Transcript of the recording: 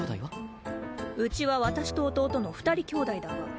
うちは私と弟の２人姉弟だが。